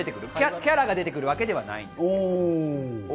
キャラが出てくるわけではないんです。